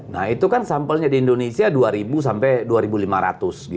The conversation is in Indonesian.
nah itu kan sampelnya di indonesia dua ribu sampai dua lima ratus